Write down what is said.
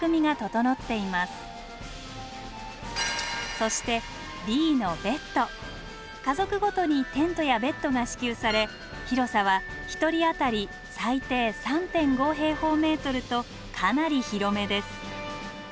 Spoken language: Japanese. そして家族ごとにテントやベッドが支給され広さは１人あたり最低３．５平方メートルとかなり広めです。